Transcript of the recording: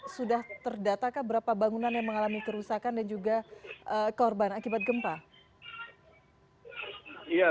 sudah terdatakah berapa bangunan yang mengalami kerusakan dan juga korban akibat gempa